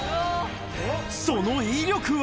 その威力は？